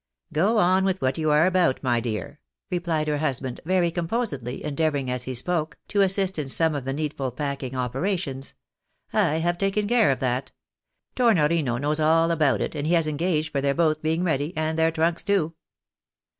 " "Go on with what you are about, my dear," replied her hus band, very composedly, endeavouring, as he spoke, to assist in some of the needful packing operations ;" I have taken care of that. Tornorino knows all about it, and he has engaged for their both being ready, and their trunks too."